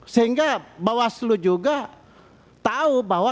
sehingga bawah selu juga tahu bahwa